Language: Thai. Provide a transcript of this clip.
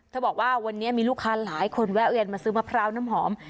บอกว่าวันนี้มีลูกค้าหลายคนแวะเวียนมาซื้อมะพร้าวน้ำหอม